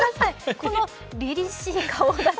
このりりしい顔立ち。